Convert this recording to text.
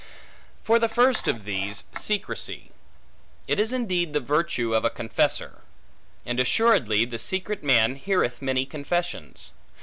For the first of these, secrecy; it is indeed the virtue of a confessor. And assuredly, the secret man heareth many confessions.